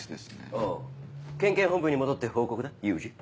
おう県警本部に戻って報告だユージ。